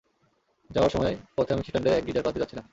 যাওয়ার সময় পথে আমি খৃষ্টানদের এক গীর্জার পাশ দিয়ে যাচ্ছিলাম।